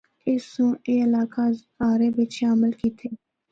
اس سنڑ اے علاقے ہزارے بچ شامل کیتے۔